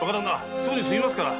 すぐに済みますから。